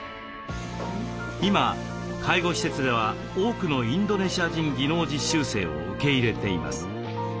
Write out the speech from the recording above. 今介護施設では多くのインドネシア人技能実習生を受け入れています。